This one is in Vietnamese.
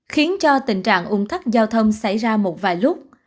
khiến cho tình trạng ung tắc giao thông xảy ra một vài lúc